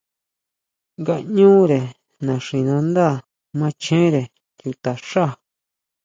Ngaʼñure naxinándá machenre chuta xá.